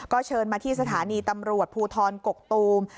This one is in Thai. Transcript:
เชิญมาที่สถานีตำรวจภูทรกกตูม